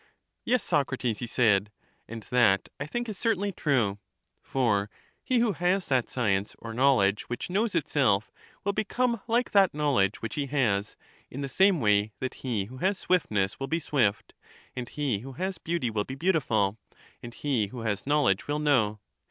Yes, Socrates, he said; and that I think is certainly 32 CHARMIDES true : for he who has that science or knowledge which knows itself will become like that knowledge which he has, in the same way that he who has swiftness will be swift, and he who has beauty will be beautiful, and he who has knowledge will know.